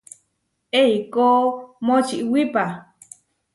Eikó močiwipa.